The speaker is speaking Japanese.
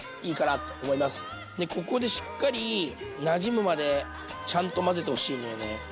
でここでしっかりなじむまでちゃんと混ぜてほしいんだよね。